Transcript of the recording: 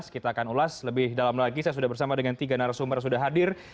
kita akan ulas lebih dalam lagi saya sudah bersama dengan tiga narasumber yang sudah hadir